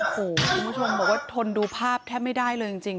คุณผู้ชมบอกว่าทนดูภาพแทบไม่ได้เลยจริง